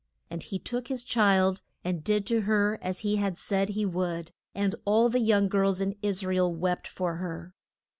And he took his child and did to her as he had said he would, and all the young girls in Is ra el wept for her.